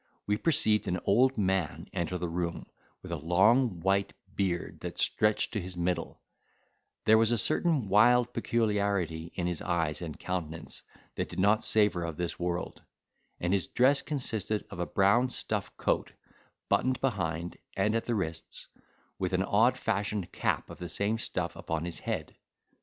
We perceived an old man enter the room, with a long white beard that reached to his middle; there was a certain wild peculiarity in his eyes and countenance that did not savour of this world; and his dress consisted of a brown stuff coat, buttoned behind and at the wrists, with an odd fashioned cap of the same stuff upon his head.